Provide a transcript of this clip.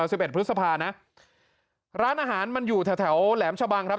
สิบเอ็ดพฤษภานะร้านอาหารมันอยู่แถวแถวแหลมชะบังครับ